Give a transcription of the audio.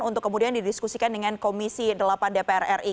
untuk kemudian didiskusikan dengan komisi delapan dpr ri